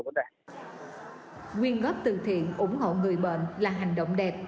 nguyên góp từ thiện ủng hộ người bệnh là hành động đẹp